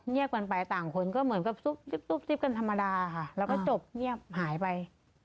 กันไปต่างคนก็เหมือนกับซุบซิบกันธรรมดาค่ะแล้วก็จบเงียบหายไป